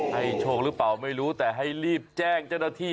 โชคหรือเปล่าไม่รู้แต่ให้รีบแจ้งเจ้าหน้าที่